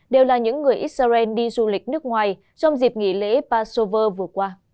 đều là những người israel đi du lịch nước ngoài trong dịp nghỉ lễ pasover vừa qua